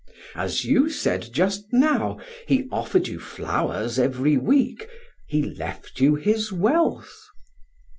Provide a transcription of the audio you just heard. As you said just now, he offered you flowers every week, he left you his wealth."